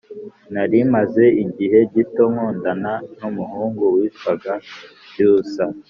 Nari maze igihe gito nkundana n’umuhungu witwaga Byusa